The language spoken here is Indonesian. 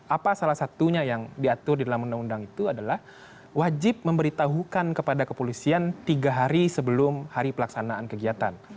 apa salah satunya yang diatur di dalam undang undang itu adalah wajib memberitahukan kepada kepolisian tiga hari sebelum hari pelaksanaan kegiatan